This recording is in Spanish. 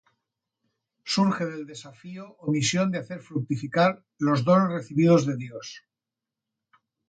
Surge del desafío o misión de hacer fructificar los dones recibidos de Dios.